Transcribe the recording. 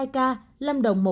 hai ca lâm đồng